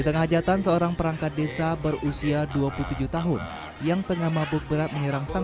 di tengah hajatan seorang perangkat desa berusia dua puluh tujuh tahun yang tengah mabuk berat menyerang sang